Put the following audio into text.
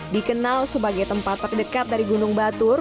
dikenal sebagai tempat terdekat dari gunung batur